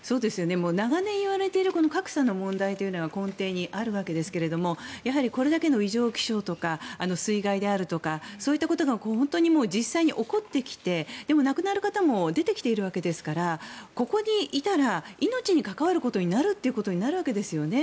長年いわれているこの格差の問題というのが根底にあるわけですがやはりこれだけの異常気象とか水害であるとかそういったことが本当に実際に起こってきて亡くなる方も出てきているわけですからここにいたら命に関わることになるっていうことになるわけですよね。